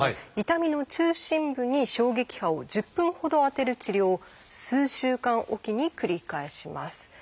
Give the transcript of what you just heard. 痛みの中心部に衝撃波を１０分ほど当てる治療を数週間おきに繰り返します。